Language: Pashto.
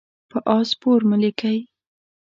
په آس سپور مه لیکئ.